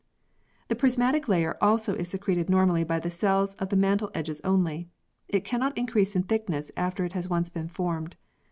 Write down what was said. The prismatic layer also is secreted normally by the cells of the mantle edge only. It cannot increase in thickness after it has once been formed.